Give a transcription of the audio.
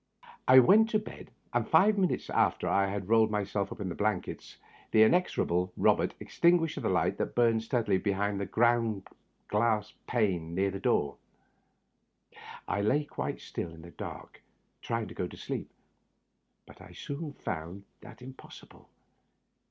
/ I went to bed, and five minutes after I had rolled myself up in my blankets the inexorable Robert extin guished the light that burned steadUy behind the ground' glass pane near the door. I lay quite still in the dark trying to go to sleep, but I soon found that impossible.